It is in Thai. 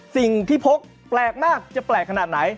สิ่งที่พกแปลกมากจะแปลกขนาดไหน